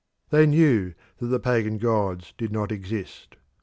They knew that the pagan gods did not exist.